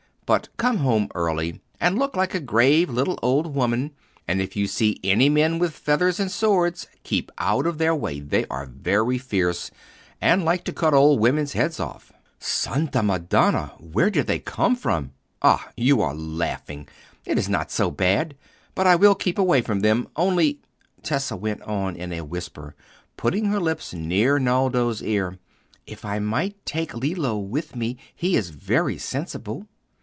But come home early, and look like a grave little old woman; and if you see any men with feathers and swords, keep out of their way: they are very fierce, and like to cut old women's heads off." "Santa Madonna! where do they come from? Ah! you are laughing; it is not so bad. But I will keep away from them. Only," Tessa went on in a whisper, putting her lips near Naldo's ear, "if I might take Lillo with me! He is very sensible."